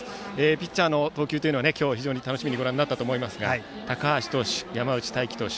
ピッチャーの投球は楽しみにご覧になったと思いますが高橋投手、山内太暉投手